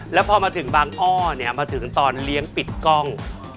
แล้วพอมาถึงบางอ้อเนี่ยมาถึงตอนเลี้ยงปิดกล้อง